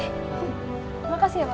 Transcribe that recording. terima kasih ya pak